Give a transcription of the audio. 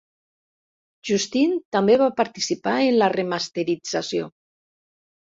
Justine també va participar en la remasterització.